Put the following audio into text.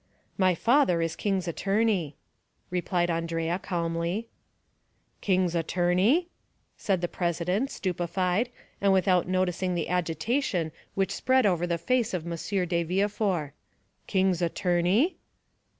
"My father is king's attorney," replied Andrea calmly. 50179m "King's attorney?" said the president, stupefied, and without noticing the agitation which spread over the face of M. de Villefort; "king's attorney?"